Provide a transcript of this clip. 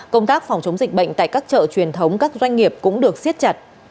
công tác phòng chống dịch bệnh tại các chợ truyền thống các doanh nghiệp cũng được siết chặt